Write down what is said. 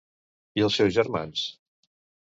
I els seus germans?